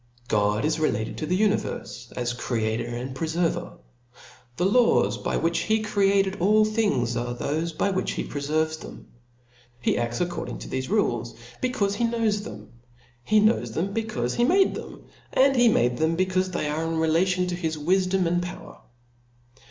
God is related to the univerfe as creator and preferver ; the laws by which he created all things, are thofe by which he preferves them. He adls according to thefe rules, becaufe he knows them ; he knows them, becaufe he made them ; and he made them, becaufe they are relative to his wifdom and power.